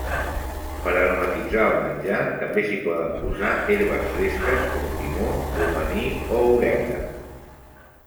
Per aromatitzar el menjar, també s'hi poden posar herbes fresques com timó, romaní o orenga.